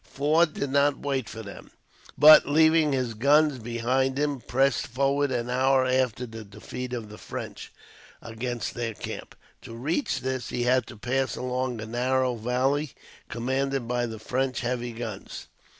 Forde did not wait for them; but, leaving his guns behind him, pressed forward, an hour after the defeat of the French, against their camp. To reach this, he had to pass along a narrow valley, commanded by the French heavy guns.